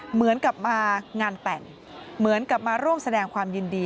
เหมือนกับมางานแต่งเหมือนกับมาร่วมแสดงความยินดี